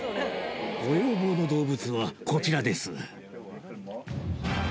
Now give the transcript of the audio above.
ご要望の動物はこちらです。